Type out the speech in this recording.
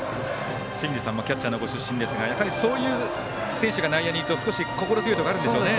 清水さんもキャッチャーのご出身ですがそういう選手が内野にいると心強いところあるんでしょうね。